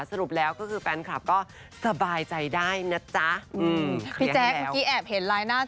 สรุปแล้วก็คือแฟนคลับก็สบายใจได้นะจ๊ะอืมพี่แจ๊คเมื่อกี้แอบเห็นลายหน้า